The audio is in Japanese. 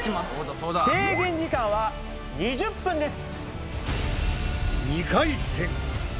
制限時間は２０分です。